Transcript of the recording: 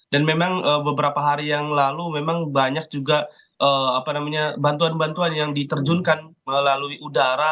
dan memang beberapa hari yang lalu memang banyak juga bantuan bantuan yang diterjunkan melalui udara